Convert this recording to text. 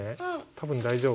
多分大丈夫。